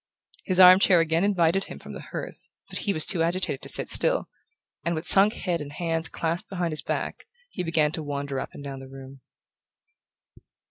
His armchair again invited him from the hearth, but he was too agitated to sit still, and with sunk head and hands clasped behind his back he began to wander up and down the room.